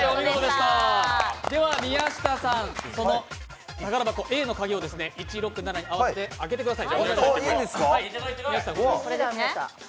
では、宮下さん、この宝箱Ａの鍵を「１６７」、に合わせてください。